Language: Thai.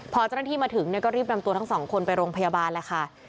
พอเจ้าหน้าที่มาถึงก็รีบนำตัวทั้งสองคนไปโรงพยาบาลแหละค่ะ